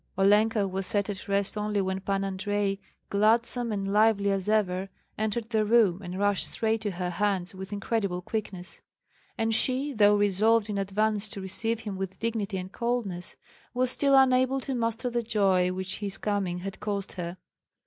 Olenka was set at rest only when Pan Andrei, gladsome and lively as ever, entered the room and rushed straight to her hands with incredible quickness. And she, though resolved in advance to receive him with dignity and coldness, was still unable to master the joy which his coming had caused her.